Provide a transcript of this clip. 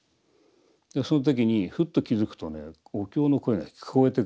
その時にふっと気付くとねお経の声が聞こえてくるんですな。